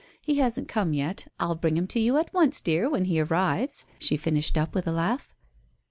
He hasn't come yet. I'll bring him to you at once, dear, when he arrives," she finished up with a laugh.